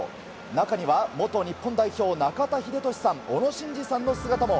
中には、元日本代表中田英寿さん小野伸二さんの姿も。